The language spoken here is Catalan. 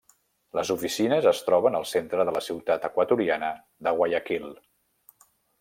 Les oficines es troben al centre de la ciutat equatoriana de Guayaquil.